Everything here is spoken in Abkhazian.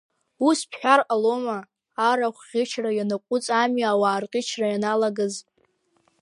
Ус бҳәар ҟалома, арахә ӷьычра ианаҟәыҵ ами ауаа рӷьычра ианалагаз.